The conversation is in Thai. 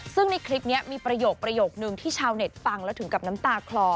ซึ่งในคลิปนี้มีประโยคนึงที่ชาวเน็ตฟังแล้วถึงกับน้ำตาคลอ